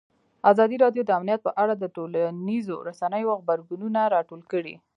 ازادي راډیو د امنیت په اړه د ټولنیزو رسنیو غبرګونونه راټول کړي.